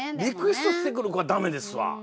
リクエストしてくる子はダメですわ。